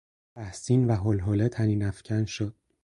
تحسین و هلهله طنینافکن شد.